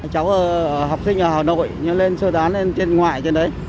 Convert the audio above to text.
cháu học sinh ở hà nội nên sơ gián lên trên ngoài trên đấy